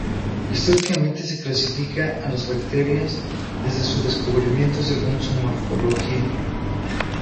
Históricamente se clasificaba a las bacterias desde su descubrimiento según su morfología.